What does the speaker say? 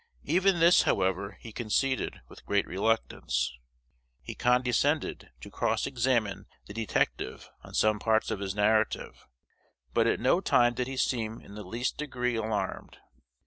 Even this, however, he conceded with great reluctance. He condescended to cross examine the detective on some parts of his narrative, but at no time did he seem in the least degree alarmed.